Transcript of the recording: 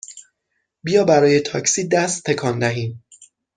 بیا برای تاکسی دست تکان دهیم!